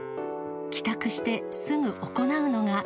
帰宅してすぐ行うのが。